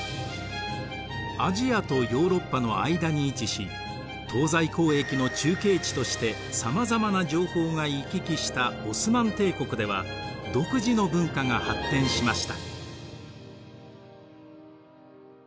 アジアとヨーロッパの間に位置し東西交易の中継地としてさまざまな情報が行き来したオスマン帝国では独自の文化が発展しました。